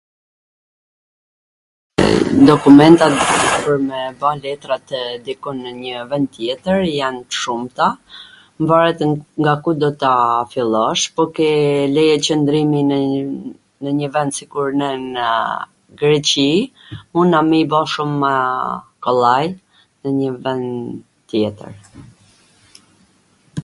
Dokumentat kur du me ba letrat nw njw vwnd tjetwr, jan t shumta, mvaret nga ku do ta fillosh, ke leje qwndrimi nw njw vwnd sikur ne nw Greqi, puna a me i bo shumw kollaj, nw njw vwnd tjetwr.